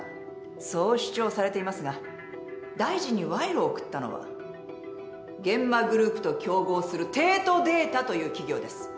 そう主張されていますが大臣に賄賂を贈ったのは諫間グループと競合する帝都データという企業です。